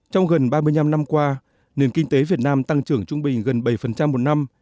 trong gần ba mươi năm năm qua nền kinh tế việt nam tăng trưởng trung bình gần bảy một năm